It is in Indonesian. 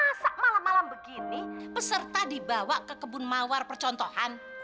masa malam malam begini peserta dibawa ke kebun mawar percontohan